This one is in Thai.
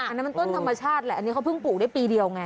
อันนั้นมันต้นธรรมชาติแหละอันนี้เขาเพิ่งปลูกได้ปีเดียวไง